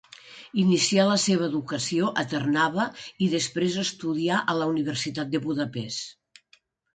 Inicià la seva educació a Trnava i després estudià a la Universitat de Budapest.